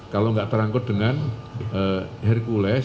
kalau nggak terangkut dengan hercules